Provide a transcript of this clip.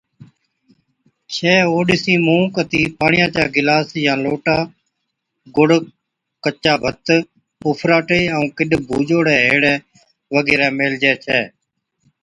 ڇَي او ڏِسِين منھن ڪَتِي پاڻيا چا گلاس يا لوٽا، گُڙ، ڪچا ڀَتَ، اُڦراٽي ائُون ڪِڏَ ڀُوجوڙي ھيڙي وغيره ميلهجي ڇَي